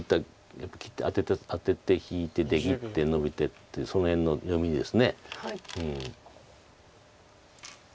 やっぱり切ってアテて引いて出切ってノビてっていうその辺の読みです。